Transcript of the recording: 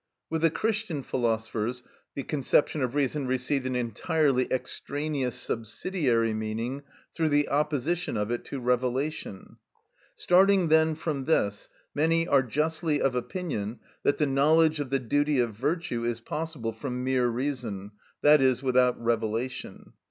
With the Christian philosophers the conception of reason received an entirely extraneous, subsidiary meaning through the opposition of it to revelation. Starting, then, from this, many are justly of opinion that the knowledge of the duty of virtue is possible from mere reason, i.e., without revelation.